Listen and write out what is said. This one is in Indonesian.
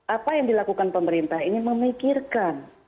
apa yang dilakukan pemerintah ini memikirkan